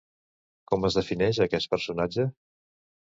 Com es defineix aquest personatge?